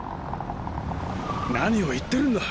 何を言ってるんだ